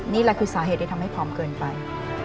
นี่แหละคือสาเหตุที่ทำให้พร้อมเกินไป